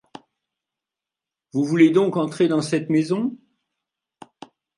Vous voulez donc entrer dans cette maison?